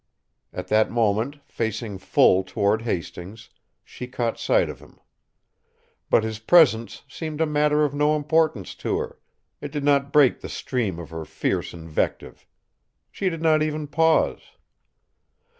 At that moment, facing full toward Hastings, she caught sight of him. But his presence seemed a matter of no importance to her; it did not break the stream of her fierce invective. She did not even pause.